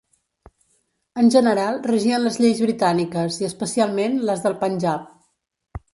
En general regien les lleis britàniques i especialment les del Panjab.